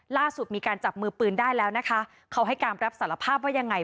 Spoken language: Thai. ล่าสุดมีการจับมือปืนได้แล้วนะคะเขาให้การรับสารภาพว่ายังไง